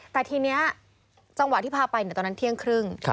แต่ทีนี้จังหวะที่พาไปตอนนั้นเที่ยงครึ่ง